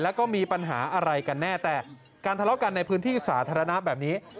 แล้วก็มีปัญหาอะไรกันแน่แต่การทะเลาะกันในพื้นที่สาธารณะแบบนี้